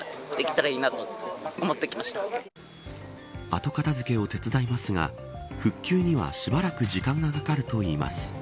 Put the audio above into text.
後片付けを手伝いますが復旧には、しばらく時間がかかるといいます。